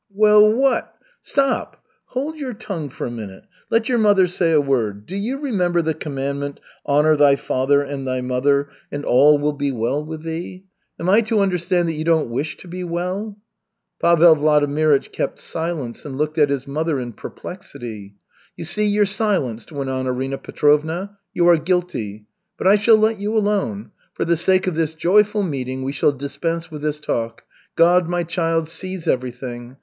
"Well, what " "Stop! Hold your tongue for a minute. Let your mother say a word. Do you remember the commandment, 'Honor thy father and thy mother, and all will be well with thee?' Am I to understand that you don't wish to be well?" Pavel Vladimirych kept silence and looked at his mother in perplexity. "You see, you're silenced," went on Arina Petrovna, "you are guilty. But I shall let you alone. For the sake of this joyful meeting we shall dispense with this talk. God, my child, sees everything.